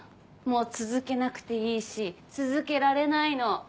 もう続けなくていいし続けられないの。